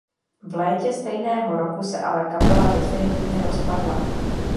V létě stejného roku se ale kapela definitivně rozpadla.